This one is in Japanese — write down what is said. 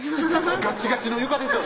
ガチガチの床ですよ